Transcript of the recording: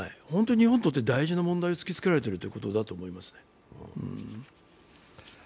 本当に日本にとっても大事な問題を突きつけられていると言うことだと思いますね。